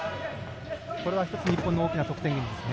これが１つ日本の得点源ですね。